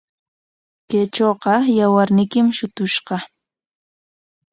Kaytrawqa yawarniykim shutushqa.